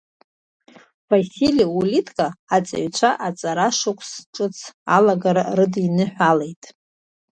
Васили Улитка аҵаҩцәа аҵарашықәс ҿыц алагара рыдиныҳәалеит.